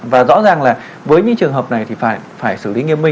và rõ ràng là với những trường hợp này thì phải xử lý